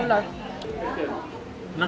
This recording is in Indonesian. aku yang nyerah